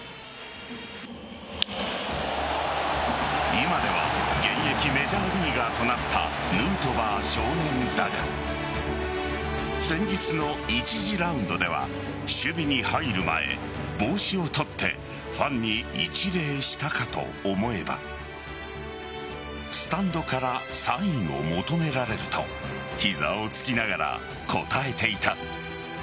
今では現役メジャーリーガーとなったヌートバー少年だが先日の１次ラウンドでは守備に入る前帽子を取ってファンに一礼したかと思えばスタンドからサインを求められると膝をつきながら応えていた。